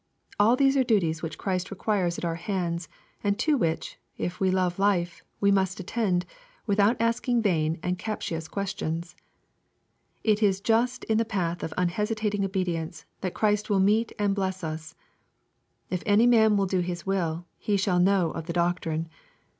All these are duties vhich Christ requires at our hands, and to which, if we love life, we must attend, without asking vain and captious questions. It is just in the path of unhesitating obedience that Christ will meet and bless us. " If any man will do His will hf» shall know of the doctrine."